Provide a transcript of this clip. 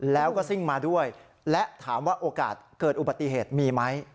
แล้วก็ซิ่งมาด้วยและถามว่าโอกาสเกิดอุบัติเหตุมีไหม